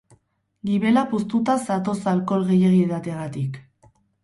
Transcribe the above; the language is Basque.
Gibela puztuta zatoz alkohol gehiei edateagatik.